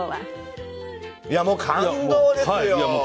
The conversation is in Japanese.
いやもう感動ですよ。